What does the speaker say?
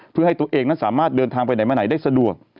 เพื่อให้ตัวเองนั้นสามารถเดินทางไปไหนมาไหนได้สะดวก